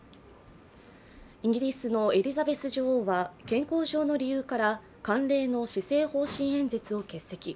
イギリスのエリザベス女王は健康上の理由から慣例の施政方針演説を欠席。